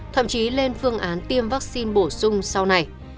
thậm chí lên phương án tiêm vaccine bổ sung sau này